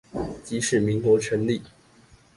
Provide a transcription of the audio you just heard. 即使民國成立